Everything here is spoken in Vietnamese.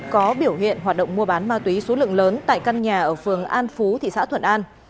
có biểu hiện hoạt động mua bán ma túy số lượng lớn tại căn nhà ở phường an phú thị xã thuận an